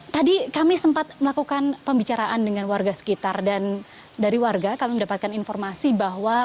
tadi kami sempat melakukan pembicaraan dengan warga sekitar dan dari warga kami mendapatkan informasi bahwa